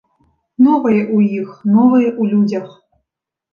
Новае ў іх, новае ў людзях.